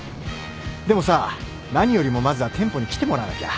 でもさ何よりもまずは店舗に来てもらわなきゃ。